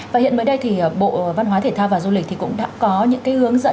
và hiện mới đây thì bộ văn hóa thể thao và du lịch thì cũng đã có những hướng dẫn